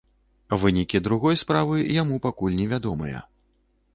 Вынікі другой справы яму пакуль невядомыя.